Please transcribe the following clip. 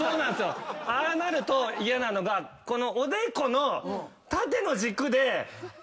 ああなると嫌なのがこのおでこの。